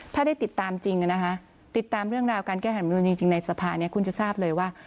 ถ้าได้ติดตามจริงนะคะติดตามเรื่องราวการแก้ไขมนุนจริงในสภาเนี่ยคุณจะทราบเลยว่า